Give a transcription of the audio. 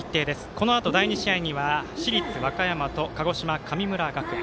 このあと第２試合には市立和歌山と鹿児島、神村学園。